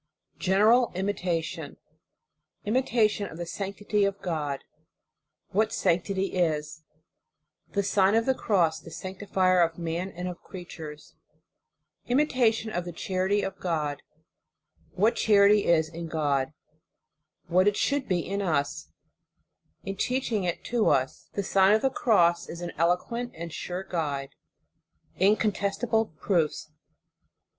GENERAL IMITATION IMITATION OF THE SANCTITY OF GOD WHAT SANCTITY is THE SIGN OF THE CROSS THE SANCTI FIER OF MAN AND OF CREATURES IMITATION OF THE CHAKITY OF GOD WHAT CHARITY is IN GOD WHAT IT SHOULD BE IN US IN TEACHING IT TO US, THE SlGN OF THE CROSS IS AK ELOQUENT AND SURE GUIDE INCONTESTABLE PROOFS.